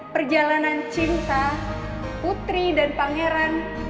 perjalanan cinta putri dan pangeran